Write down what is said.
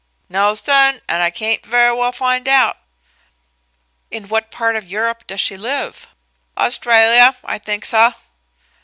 "No, sun, an' I cain't ver' well fin' out." "In what part of Europe does she live?" "Australia, I think, suh."